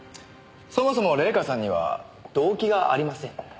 そもそも礼夏さんには動機がありません。